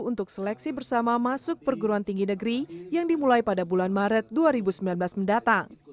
untuk seleksi bersama masuk perguruan tinggi negeri yang dimulai pada bulan maret dua ribu sembilan belas mendatang